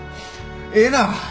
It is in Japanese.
ええなぁ！